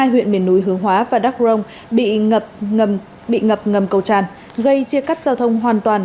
hai huyện miền núi hướng hóa và đắk rông bị ngập bị ngập ngầm cầu tràn gây chia cắt giao thông hoàn toàn